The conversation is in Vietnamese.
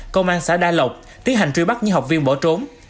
công an xã đa lộc tiến hành truy bắt những học viên bỏ trốn